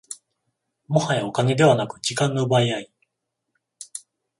もはやお金ではなく時間の奪い合い